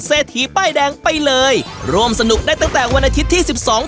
เศรษฐีป้ายแดงไปเลยร่วมสนุกได้ตั้งแต่วันอาทิตย์ที่สิบสอง